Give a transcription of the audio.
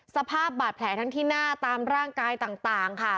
สภาพบาดแผลทั้งที่หน้าตามร่างกายต่างค่ะ